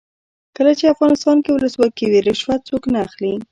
کله چې افغانستان کې ولسواکي وي رشوت څوک نه اخلي.